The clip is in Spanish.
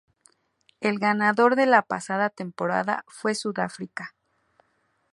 El ganador de la pasada temporada fue Sudáfrica.